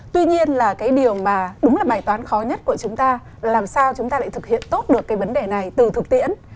tuy nhiên là cái điều mà đúng là bài toán khó nhất của chúng ta làm sao chúng ta lại thực hiện tốt được cái vấn đề này từ thực tiễn